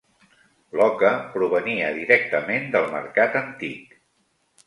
L'oca provenia directament del mercat antic.